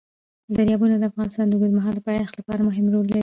دریابونه د افغانستان د اوږدمهاله پایښت لپاره مهم رول لري.